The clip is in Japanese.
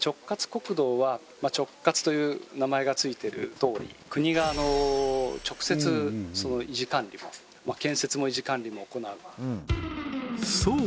国道は直轄という名前がついてるとおり国が直接維持管理を建設も維持管理も行うそう